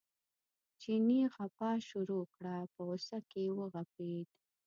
چیني غپا شروع کړه په غوسه کې وغپېد.